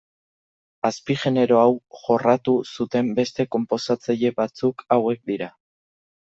Azpigenero hau jorratu zuten beste konposatzaile batzuk hauek dira.